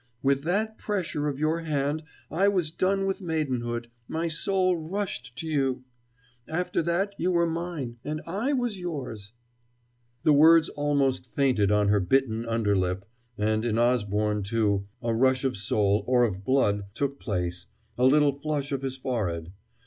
With that pressure of your hand, I was done with maidenhood, my soul rushed to you. After that, you were mine, and I was yours." The words almost fainted on her bitten under lip, and in Osborne, too, a rush of soul, or of blood, took place, a little flush of his forehead.